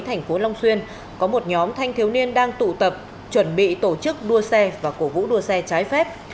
thành phố long xuyên có một nhóm thanh thiếu niên đang tụ tập chuẩn bị tổ chức đua xe và cổ vũ đua xe trái phép